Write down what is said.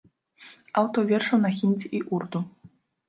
Аўтар вершаў на хіндзі і урду.